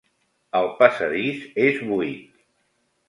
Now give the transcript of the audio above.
El passadís és buit.